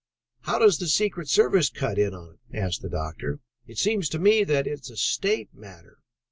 "How does the secret service cut in on it?" asked the doctor. "It seems to me that it is a state matter.